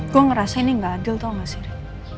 gue ngerasa ini gak adil tau gak sih rik